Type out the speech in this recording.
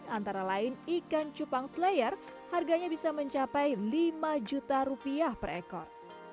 antara lain ikan cupang slayer harganya bisa mencapai lima juta rupiah per ekor